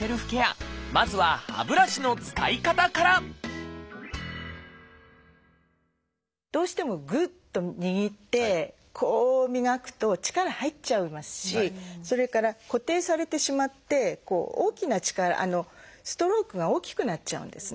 まずは歯ブラシの使い方からどうしてもグッと握ってこう磨くと力入っちゃいますしそれから固定されてしまって大きな力ストロークが大きくなっちゃうんですね。